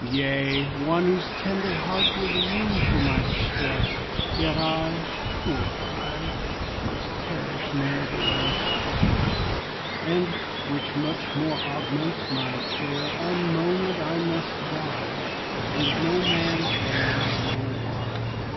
Yea, one whose tender heart would rue for my distress; Yet I, poor I! must perish ne'ertheless. And (which much more augments my care) Unmoanèd I must die, And no man e'er Know why.